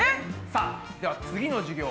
さあでは次の授業は。